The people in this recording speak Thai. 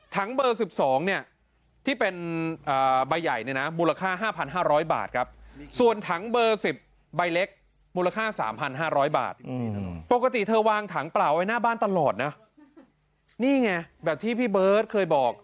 ถังเบอร์๑๒เนี่ยที่เป็นใบใหญ่เนี่ยนะมูลค่า๕๕๐๐บาทครับ